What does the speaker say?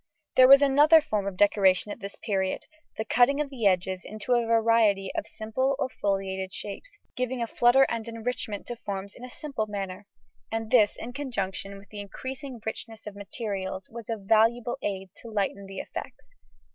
There was another form of decoration at this period the cutting of the edges into a variety of simple or foliated shapes, giving a flutter and enrichment to forms in a simple manner, and this, in conjunction with the increasing richness of materials, was a valuable aid to lighten the effects.